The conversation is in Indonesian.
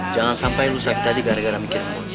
jangan sampai lo sakit tadi gara gara mikirin gue